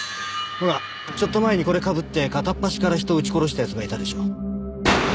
ほらちょっと前にこれかぶって片っ端から人を撃ち殺した奴がいたでしょう。